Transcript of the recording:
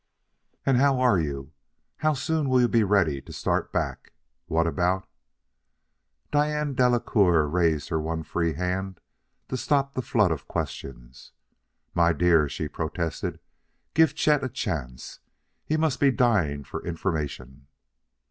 and how are you? How soon will you be ready to start back? What about " Diane Delacouer raised her one free hand to stop the flood of questions. "My dear," she protested, "give Chet a chance. He must be dying for information."